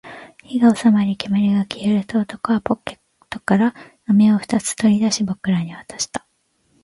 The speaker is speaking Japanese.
火が収まり、煙が消えると、男はポケットから飴を二つ取り出し、僕らに渡した